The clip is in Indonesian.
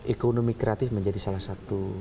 ekonomi kreatif menjadi salah satu